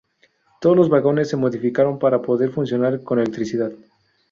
Todos vagones se modificaron para poder funcionar con electricidad.